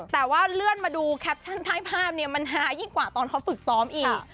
แต่ว่าเลื่อนมาดูแคปชั่นใต้ภาพเนี่ยมันฮายิ่งกว่าตอนเขาฝึกซ้อมอีก